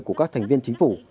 của các thành viên chính phủ